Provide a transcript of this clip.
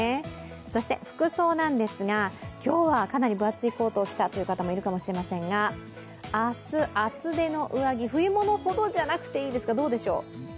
そして服装なんですが今日はかなり分厚いコートを着た人もいると思いますが明日、厚手の上着、冬物ほどでなくていいか、どうでしょう。